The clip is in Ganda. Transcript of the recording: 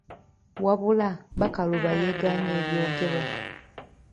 Wabula Bakaluba yeegaanye ebyogerwa.